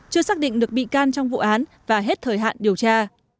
chưa xác định được bị can trong vụ án và hết thời hạn điều tra